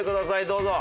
どうぞ。